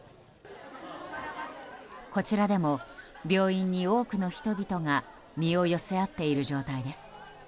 こちらでも、病院に多くの人々が身を寄せ合っている状態です。